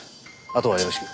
あとはよろしく。